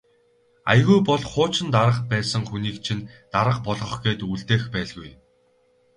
Аягүй бол хуучин дарга байсан хүнийг чинь дарга болгох гээд үлдээх байлгүй.